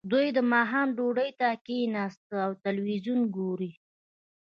دوی د ماښام ډوډۍ ته کیښني او تلویزیون ګوري